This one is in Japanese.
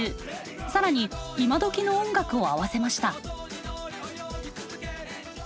更に今どきの音楽を合わせました。